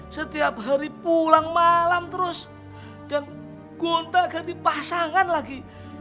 setiap hari pulang malam terus dan gonta ganti pasangan lagi